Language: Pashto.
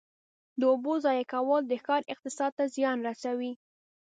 د اوبو ضایع کول د ښار اقتصاد ته زیان رسوي.